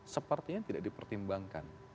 sepertinya tidak dipertimbangkan